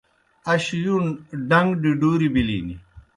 اش یُون ڈݩگ ڈِڈُوریْ بِلِن۔